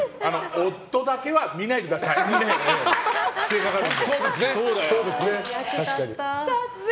夫だけは見ないでください。